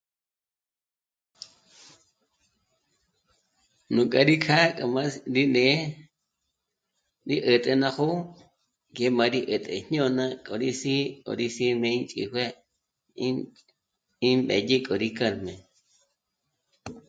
Nú k'a rí kjâ'a 'óm'ásí rí né'e rí 'ä̀t'ä ná jó'o ngé má rí 'ä̀t'ä jñôna k'o rí sî'i, k'o rí sî'i jmênchijué ímbédyi k'o rí carne